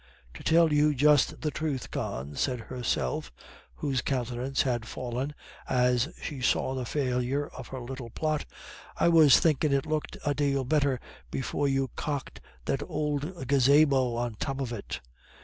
"To tell you just the truth, Con," said Herself, whose countenance had fallen as she saw the failure of her little plot, "I was thinkin' it looked a dale better before you cocked that ould gazabo on top of it.